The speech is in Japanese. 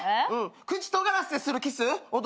口とがらせてするキス男